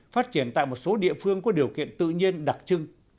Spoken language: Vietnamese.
phát triển tại một số địa phương có điều kiện tự nhiên đặc trưng